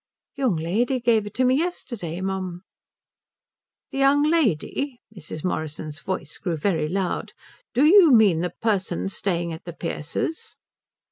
"The young lady give it me yesterday, mum." "The young lady?" Mrs. Morrison's voice grew very loud. "Do you mean the person staying at the Pearces'?"